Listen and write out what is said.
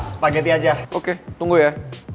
spaghetti aja oke tunggu ya